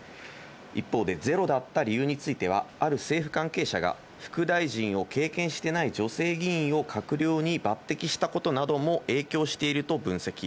一方で、ゼロだった理由については、ある政府関係者が副大臣を経験していない女性議員を閣僚に抜てきしたことなども影響していると分析。